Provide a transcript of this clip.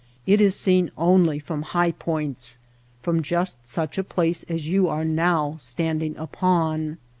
It is seen only from high points — from just such a place as you are now standing upon.